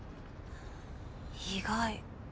意外。